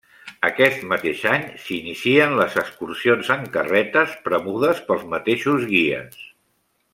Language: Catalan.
Aquest mateix any s'inicien les excursions en carretes premudes pels mateixos guies.